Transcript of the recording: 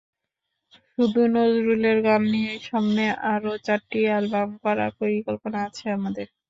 শুধু নজরুলের গান নিয়েই সামনে আরও চারটি অ্যালবাম করার পরিকল্পনা আছে আমাদের।